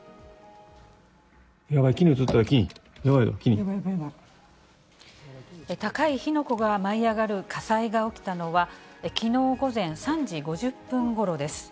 やばい、高い火の粉が舞い上がる火災が起きたのは、きのう午前３時５０分ごろです。